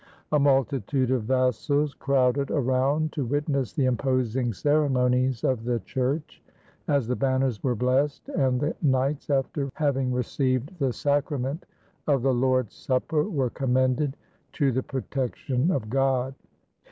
A multitude of vassals crowded around to witness the im posing ceremonies of the Church, as the banners were blessed, and the knights, after having received the Sac rament of the Lord's Supper, were commended to the protection of God.